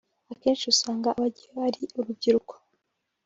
akenshi usanga abajyayo ari urubyiruko